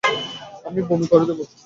আমি বমি করে দেব।